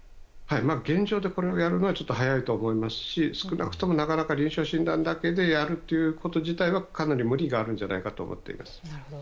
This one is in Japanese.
現状でこれをやるのは早いと思いますし少なくとも臨床診断だけでやるということ自体はかなり無理があるんじゃないかと思っています。